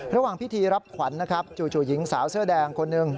ระหว่างพิธีรับขวัญนะครับจู่หญิงสาวเสื้อแดงคนหนึ่ง